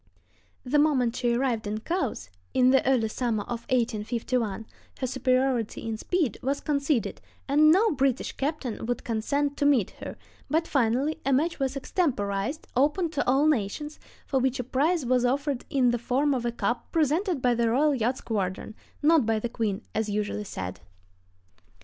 The moment she arrived in Cowes, in the early summer of 1851, her superiority in speed was conceded, and no British captain would consent to meet her; but finally a match was extemporized, open to all nations, for which a prize was offered in the form of a cup presented by the Royal Yacht Squadron—not by the Queen, as usually said.